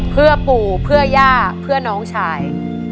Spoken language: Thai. เพื่อปู่เพื่อย่าเพื่อน้องชาย